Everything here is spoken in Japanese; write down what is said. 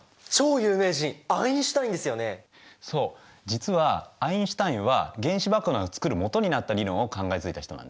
実はアインシュタインは原子爆弾を作る基になった理論を考えついた人なんだ。